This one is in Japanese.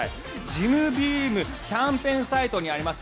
ジムビームキャンペーンサイトにあります